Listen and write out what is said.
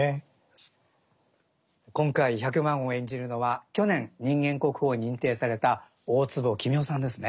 今回百万を演じるのは去年人間国宝に認定された大坪喜美雄さんですね。